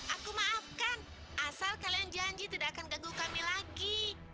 aku maafkan asal kalian janji tidak akan ganggu kami lagi